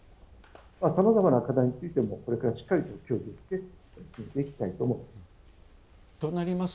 さまざまな課題についてもこれからしっかりと協議をして決めていきたいと思います。